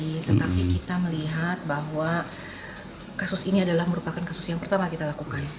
tetapi kita melihat bahwa kasus ini adalah merupakan kasus yang pertama kita lakukan